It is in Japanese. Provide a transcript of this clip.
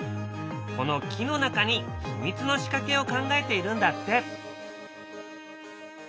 この木の中に秘密の仕掛けを考えているんだって。